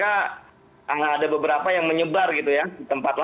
ada beberapa yang menyebar gitu ya di tempat lain